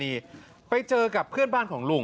นี่ไปเจอกับเพื่อนบ้านของลุง